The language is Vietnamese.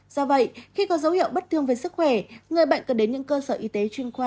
do vậy khi có dấu hiệu bất thương về sức khỏe người bệnh cần đến những cơ sở y tế chuyên khoa